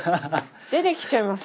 出てきちゃいます。